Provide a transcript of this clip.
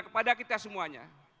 kepada kita semuanya